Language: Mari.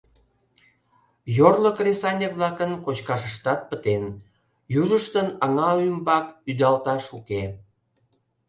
Йорло кресаньык-влакын кочкашыштат пытен, южыштын аҥа ӱмбак ӱдалташ уке.